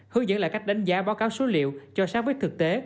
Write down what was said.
hướng dẫn lại cách đánh giá báo cáo số liệu cho sát với thực tế